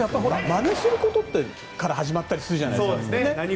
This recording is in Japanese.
まねすることから始まったりするじゃないですか。